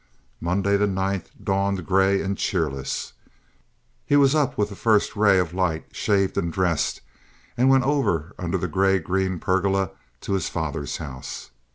Monday, the ninth, dawned gray and cheerless. He was up with the first ray of light, shaved and dressed, and went over, under the gray green pergola, to his father's house.